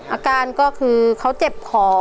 อาการก็คือเขาเจ็บคอ